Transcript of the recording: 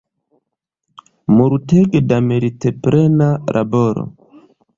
Multege da meritplena laboro!